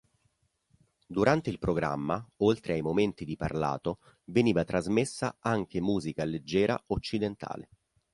Durante il programma, oltre ai momenti di parlato, veniva trasmessa anche musica leggera occidentale.